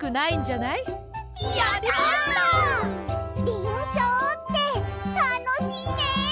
りんしょうってたのしいね！